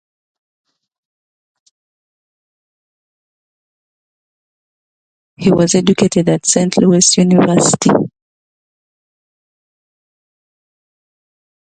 He was educated at Saint Louis University.